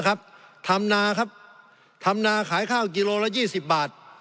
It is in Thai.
นะครับธรรมนาครับธรรมนาขายข้าวกิโลละยี่สิบบาท